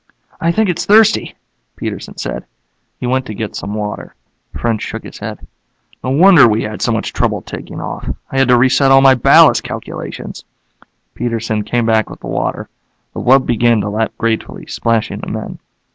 "I think it's thirsty," Peterson said. He went to get some water. French shook his head. "No wonder we had so much trouble taking off. I had to reset all my ballast calculations." Peterson came back with the water. The wub began to lap gratefully, splashing the men.